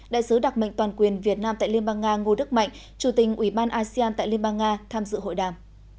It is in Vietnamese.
đại sứ đặc mệnh toàn quyền việt nam tại liên bang nga ngô đức mạnh chủ tình ủy ban asean tại liên bang nga tham dự hội đàm